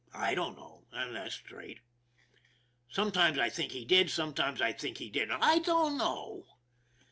I don't know, and that's straight. Sometimes I think he did; some times I think he didn't. I don't know.